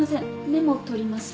メモ取ります。